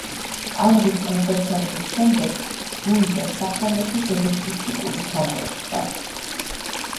ანრის გარდაცვალების შემდეგ ლუიზას საფრანგეთის დედოფლის ტიტული ჩამოერთვა.